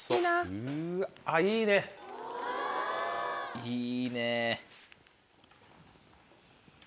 うわあっいいね。いいね。